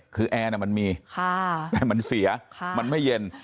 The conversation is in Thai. คือแอร์น่ะมันมีแต่มันเสียมันไม่เย็น